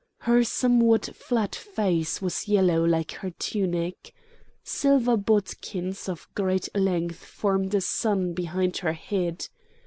Her somewhat flat face was yellow like her tunic. Silver bodkins of great length formed a sun behind her head.